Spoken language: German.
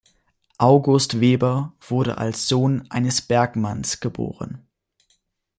August Weber wurde als Sohn eines Bergmanns geboren.